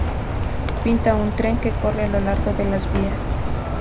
Pinta a un tren que corre a lo largo de las vías.